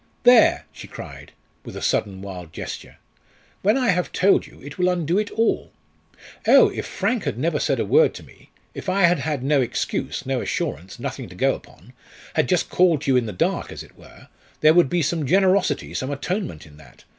"There!" she cried, with a sudden wild gesture; "when I have told you it will undo it all. Oh! if Frank had never said a word to me; if I had had no excuse, no assurance, nothing to go upon, had just called to you in the dark, as it were, there would be some generosity, some atonement in that!